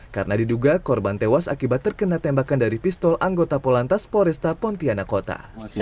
karena diduga korban tewas akibat terkena tembakan dari pistol anggota polantas polresta pontianakota